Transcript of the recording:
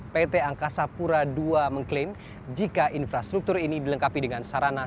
pt angkasa pura ii mengklaim jika infrastruktur ini dilengkapi dengan sarana